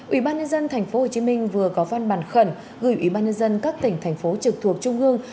ủy ban nhân dân tp hcm vừa có văn bản khẩn gửi ủy ban nhân dân các tỉnh thành phố trực thuộc trung ương